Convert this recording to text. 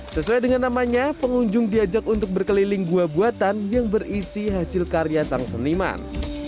sesuai dengan namanya pengunjung diajak untuk berkeliling gua buatan yang berisi hasil karya sang seniman